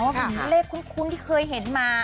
เลขคุ้นที่เคยเห็นมา